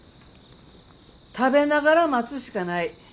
食べながら待つしかない。